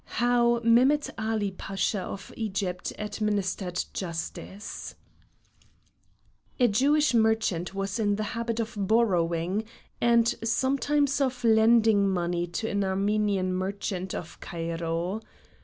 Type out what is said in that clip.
HOW MEHMET ALI PASHA OF EGYPT ADMINISTERED JUSTICE A Jewish merchant was in the habit of borrowing, and sometimes of lending money to an Armenian merchant of Cairo.